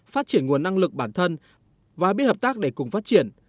phát triển nguồn năng lực bản thân và biết hợp tác để cùng phát triển